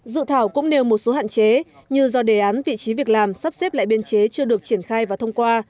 dự thảo cũng nêu một số hạn chế như do đề án vị trí việc làm sắp xếp lại biên chế chưa được triển khai và thông qua